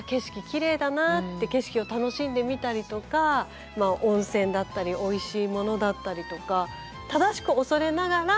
きれいだなって景色を楽しんでみたりとかまあ温泉だったりおいしいものだったりとか正しく恐れながら。